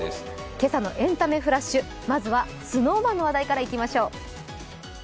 今朝の「エンタメフラッシュ」、まずはＳｎｏｗＭａｎの話題からいきましょう。